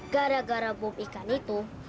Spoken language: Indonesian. gara gara bom ikan itu